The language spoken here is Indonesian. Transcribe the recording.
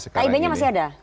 kib nya masih ada